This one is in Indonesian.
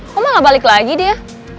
kok nggak balik lagi dia